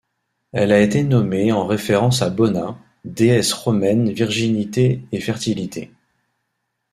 Elle a été nommée en référence à Bona, déesse romaine virginité et fertilité.